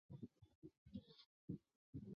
说只要放在枕边，便可高枕而卧